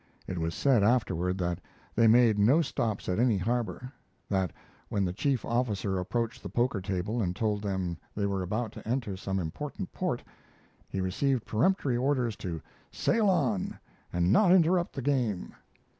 It was said afterward that they made no stops at any harbor; that when the chief officer approached the poker table and told them they were about to enter some important port he received peremptory orders to "sail on and not interrupt the game."